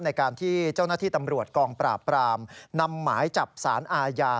ในการที่เจ้าหน้าที่ตำรวจกองปราบปรามนำหมายจับสารอาญา